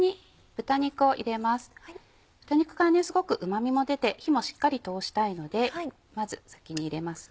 豚肉からすごくうま味も出て火もしっかり通したいのでまず先に入れます。